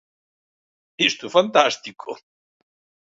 ¡Isto é fantástico!